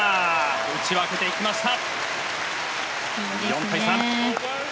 打ち分けていきました。